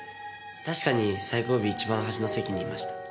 確かに最後尾一番端の席にいました。